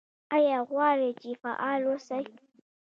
ایا غواړئ چې فعال اوسئ؟